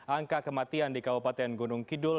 angka kematian di kabupaten gunung kidul